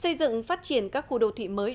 xây dựng phát triển các khu đô thị mới